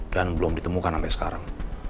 dan belum ditemukan sampe sekarang